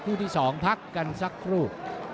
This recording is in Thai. คู่ที่สองพักกันสักครู่